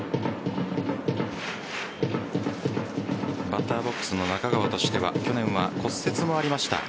バッターボックスの中川としては去年は骨折もありました。